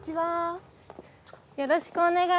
よろしくお願いします。